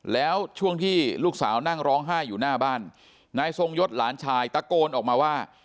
แล้วช่วงที่ลูกสาวนั่งร้องไห้อยู่หน้าบ้านนายทรงยศหลานชายตะโกนออกมาว่า